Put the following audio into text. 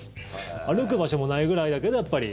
歩く場所もないぐらいだけどやっぱり。